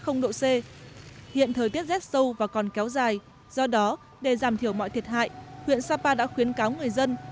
hiện thời tiết rét sâu và còn kéo dài do đó để giảm thiểu mọi thiệt hại huyện sapa đã khuyến cáo người dân